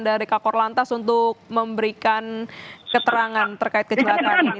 dari kak kor lantas untuk memberikan keterangan terkait kecelakaan ini